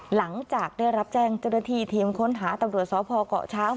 หลังจากได้รับแจ้งเจ้าหน้าที่ทีมค้นหาตำรวจสพเกาะช้าง